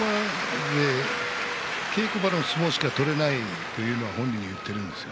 稽古場の相撲しか取れないと本人が言っているんです。